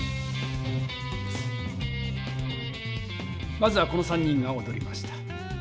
まずはこの３人がおどりました。